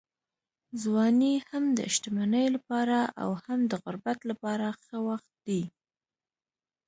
ځواني هم د شتمنۍ لپاره او هم د غربت لپاره ښه وخت دی.